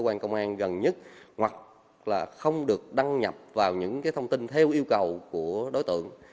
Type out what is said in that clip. cơ quan công an gần nhất hoặc là không được đăng nhập vào những thông tin theo yêu cầu của đối tượng